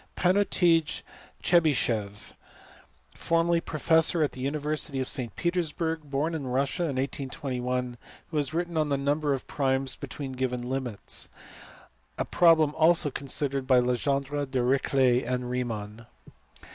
Patnutij Tchebycheff, formerly professor at the university of St Petersburg, born in Russia in 1821, who has written on the number of primes between given limits : a problem also considered by Legendre, Dirichlet, and Riemann.